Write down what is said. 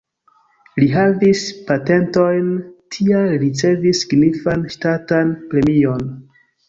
Li havis patentojn, tial li ricevis signifan ŝtatan premion.